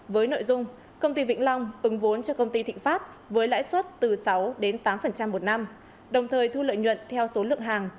với nội dung công ty vĩnh long ứng vốn cho công ty thịnh pháp với lãi suất từ sáu đến tám một năm đồng thời thu lợi nhuận theo số lượng hàng